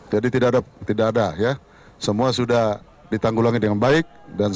jadi tidak ada semua sudah ditanggulangi dengan baik